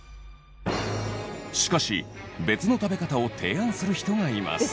しかし別の食べ方を提案する人がいます。